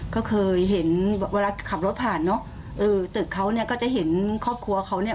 ก็เคยเห็นเวลาขับรถผ่านเนอะเออตึกเขาเนี่ยก็จะเห็นครอบครัวเขาเนี่ย